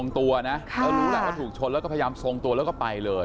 ถูกชนแล้วก็พยายามทรงตัวแล้วก็ไปเลย